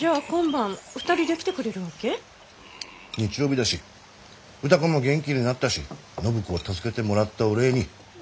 日曜日だし歌子も元気になったし暢子を助けてもらったお礼に。